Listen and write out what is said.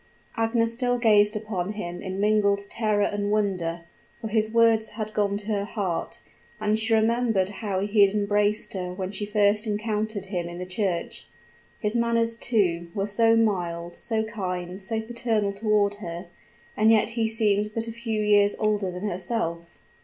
Agnes still gazed upon him in mingled terror and wonder; for his words had gone to her heart, and she remembered how he had embraced her when she first encountered him in the church. His manners, too, were so mild, so kind, so paternal toward her; and yet he seemed but a few years older than herself.